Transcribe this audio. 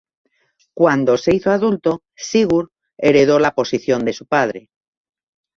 Cuando se hizo adulto, Sigurd heredó la posición de su padre.